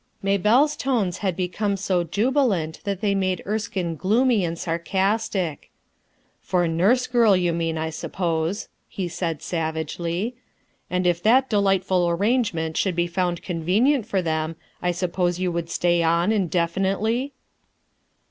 May belle's tones had become so jubilant that they made Erskine gloomy and sarcastic. "For nurse girl you mean, I suppose/* he said savagelj\ "And if that delightful arrange REXUXCLATlox m ent should bo found convenient for them i suppose you would stay on indefinitely?"